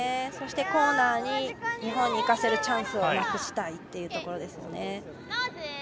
そしてコーナーで日本に生かせるチャンスをなくしたいというところですね。